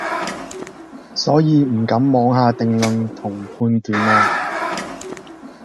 所以唔敢妄下定論同判斷啦